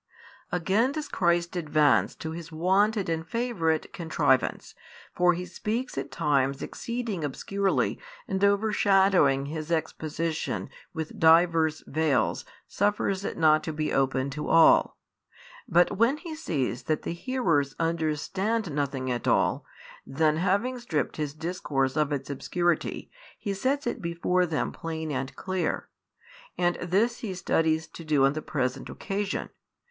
Again does Christ advance to His wonted and favourite contrivance, for He speaks at times exceeding obscurely and overshadowing His exposition with diverse veils suffers it not to be open to all. But when He sees that the hearers understand nothing at all, then having stripped His discourse of its obscurity, He sets it before them plain and clear. And this He studies to do on the present occasion.